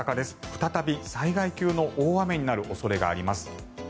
再び災害級の大雨になる恐れがあります。